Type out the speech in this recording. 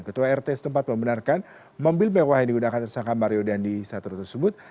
ketua rt setempat membenarkan mobil mewah yang digunakan tersangka mario dandi satrio tersebut